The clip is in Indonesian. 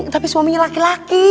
tapi suaminya laki laki